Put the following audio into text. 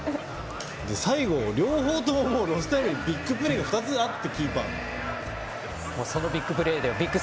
最後、両方とももうロスタイムにビッグプレーが２つあって。